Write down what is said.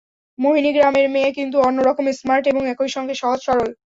মোহিনী গ্রামের মেয়ে, কিন্তু অন্য রকম স্মার্ট এবং একই সঙ্গে সহজ-সরল।